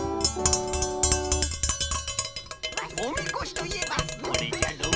おみこしといえばこれじゃのう。